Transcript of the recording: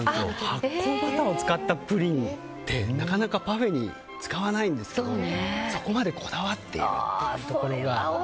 発酵バターを使ったプリンをなかなかパフェに使わないんですけどそこまでこだわっているところが。